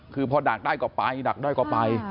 คือพอดักได้กว่าไปดักได้กว่าไป